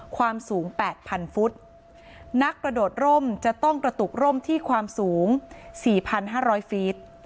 ความสูง๘๐๐ฟุตนักกระโดดร่มจะต้องกระตุกร่มที่ความสูง๔๕๐๐ฟิต